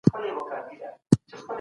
د اسلام دين د هر چا دپاره رحمت دی.